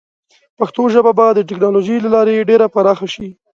پښتو ژبه به د ټیکنالوجۍ له لارې ډېره پراخه شي.